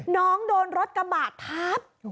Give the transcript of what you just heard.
น้องโดนรถกระบาดทับ